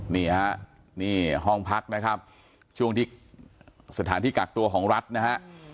นี่ฮะนี่ห้องพักนะครับช่วงที่สถานที่กักตัวของรัฐนะฮะ